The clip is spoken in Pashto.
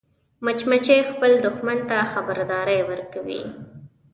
مچمچۍ خپل دښمن ته خبرداری ورکوي